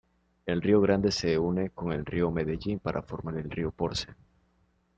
El río Grande se une con el río Medellín para formar el río Porce.